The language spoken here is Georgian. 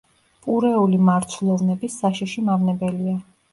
პურეული მარცვლოვნების საშიში მავნებელია.